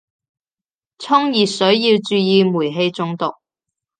沖熱水要注意煤氣中毒